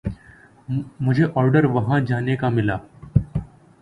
مجھے آرڈر وہاں جانے کا ملا۔